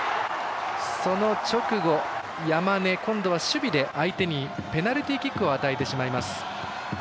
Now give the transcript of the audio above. その直後山根、今度は守備で相手にペナルティーキックを与えてしまいます。